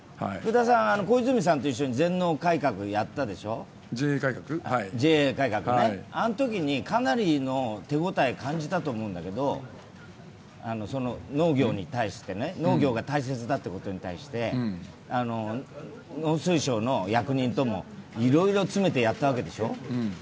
小泉さんと一緒に全農改革やったでしょ、あのときにかなりの手応えを感じたと思うんだけど農業が大切だということに対して、農水省の役員とも、いろいろ詰めてやったわけでしょう。